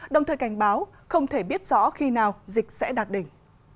đồng thời cảnh báo không thể biết rõ khi nào dịch sẽ đạt đỉnh